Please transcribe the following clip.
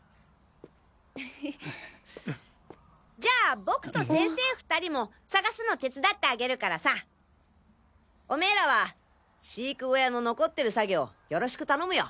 じゃあ僕と先生２人も探すの手伝ってあげるからさオメーらは飼育小屋の残ってる作業ヨロシク頼むよ。